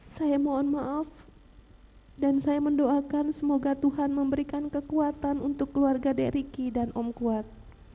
saya mohon maaf dan saya mendoakan semoga tuhan memberikan kekuatan untuk keluarga dek ricky dan om kuat